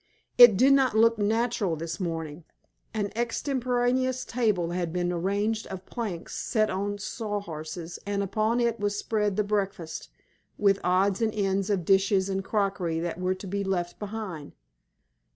It did not look natural this morning. An extemporaneous table had been arranged of planks set on sawhorses, and upon it was spread the breakfast, with odds and ends of dishes and crockery that were to be left behind.